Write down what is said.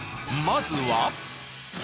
まずは。